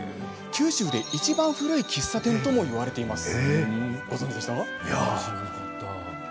九州で、いちばん古い喫茶店ともいわれています。